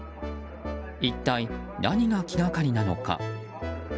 一体、何が気がかりなのか。